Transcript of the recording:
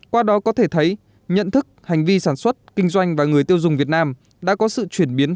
qua đó có thể thấy nhận thức hành vi sản xuất kinh doanh và người tiêu dùng việt nam đã có sự chuyển biến